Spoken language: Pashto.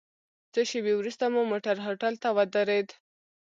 څو شېبې وروسته مو موټر هوټل ته ودرید.